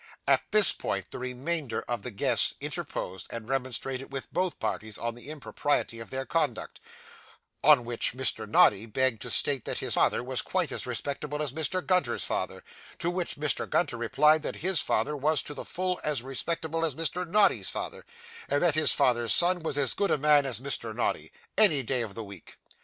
At this point the remainder of the guests interposed, and remonstrated with both parties on the impropriety of their conduct; on which Mr. Noddy begged to state that his father was quite as respectable as Mr. Gunter's father; to which Mr. Gunter replied that his father was to the full as respectable as Mr. Noddy's father, and that his father's son was as good a man as Mr. Noddy, any day in the week.